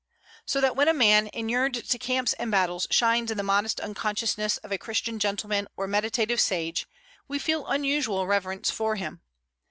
So that when a man inured to camps and battles shines in the modest unconsciousness of a Christian gentleman or meditative sage, we feel unusual reverence for him.